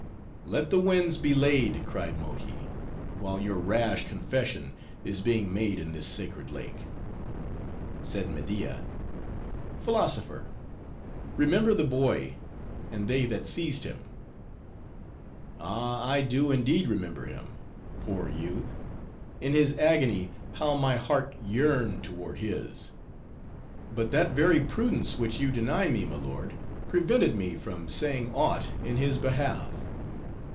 "Let the winds be laid," cried Mohi, "while your rash confession is being made in this sacred lake." Said Media, "Philosopher; remember the boy, and they that seized him." "Ah! I do indeed remember him. Poor youth! in his agony, how my heart yearned toward his. But that very prudence which you deny me, my lord, prevented me from saying aught in his behalf.